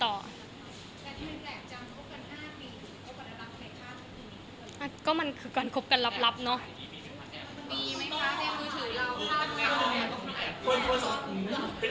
และที่มันแปลกจังโอเคัน๕มีหรือโอเคัน๕ไม่มี